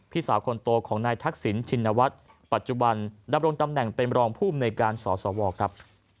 พี่สาวคนโตของนายทักษิณชินวัฒน์ปัจจุบันดำรงตำแหน่งเป็นรองภูมิในการสสวครับ